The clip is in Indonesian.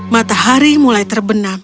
matahari mulai terbenam